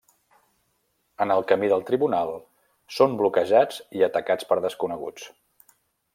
En el camí del tribunal, són bloquejats i atacats per desconeguts.